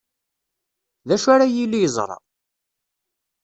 D acu ara yili yeẓra?